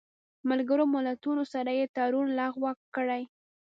ملګرو ملتونو سره یې تړون لغوه کړی